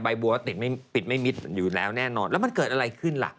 บัวติดไม่ปิดไม่มิดอยู่แล้วแน่นอนแล้วมันเกิดอะไรขึ้นล่ะ